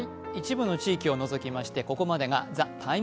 一部の地域を除きましてここまでが「ＴＨＥＴＩＭＥ’」。